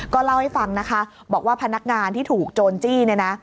ก็เล่าให้ฟังนะคะบอกว่าพนักงานที่ถูกโจรจี้เนี่ยนะ